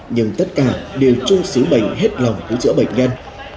nhưng tất cả đều chung xứ bệnh hết lòng cứu chữa bệnh nhân